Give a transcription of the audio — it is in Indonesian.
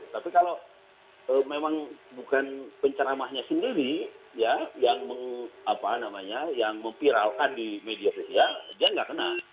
tapi kalau memang bukan penceramahnya sendiri ya yang memviralkan di media sosial dia nggak kenal